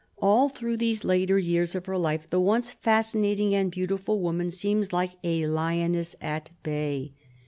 x\ll through these later years of her life the once fascinating and beautiful woman seems like a lioness at bay.